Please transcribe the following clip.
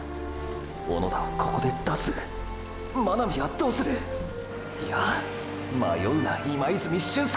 小野田をここで出す⁉真波はどうする⁉いや迷うな今泉俊輔！！